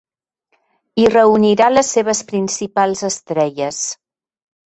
Hi reunirà les seves principals estrelles.